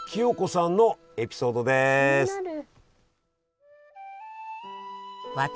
気になる。